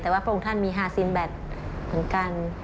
แต่ว่าพระองค์ท่านมีฮาซีนแบตเหมือนกัน